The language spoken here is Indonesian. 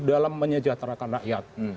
dalam menyejahterakan rakyat